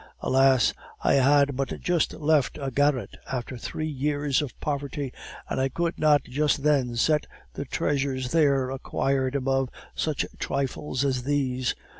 Alas! I had but just left a garret, after three years of poverty, and I could not just then set the treasures there acquired above such trifles as these.